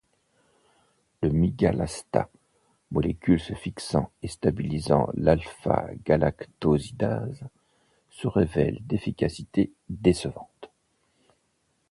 Le migalastat, molécule se fixant et stabilisant l'alpha-galactosidase, se révèle d'efficacité décevante.